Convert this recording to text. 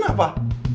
saya mau keluar